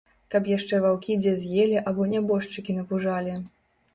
Каб яшчэ ваўкі дзе з'елі або нябожчыкі напужалі.